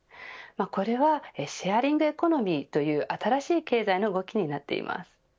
これはシェアリングエコノミーという新しい経済の動きになっています。